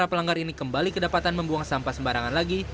para pelanggar ini kembali kedapatan membuang sampah sembarangan lagi